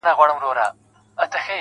غوږ سه راته,